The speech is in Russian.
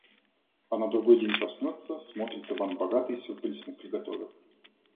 А на другой день проснется — смотрит, Иван Богатый сюрприз ему приготовил